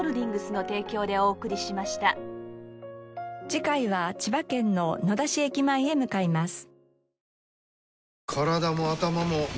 次回は千葉県の野田市駅前へ向かいます。